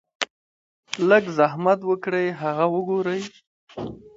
لږ زحمت اوکړئ هغه اوګورئ -